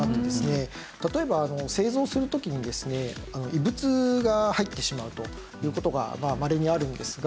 例えば製造する時にですね異物が入ってしまうという事がまれにあるんですが。